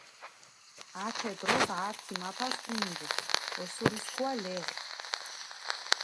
ათე დროს ართი მაფას ჸუნდჷ ოსურისქუა ლეხი.